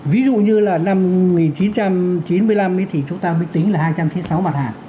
ví dụ như là năm một nghìn chín trăm chín mươi năm thì chúng ta mới tính là hai trăm chín mươi sáu mặt hàng